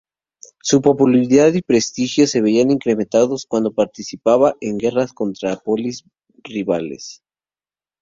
Su popularidad y prestigio se veían incrementados cuando participaban en guerras contra polis rivales.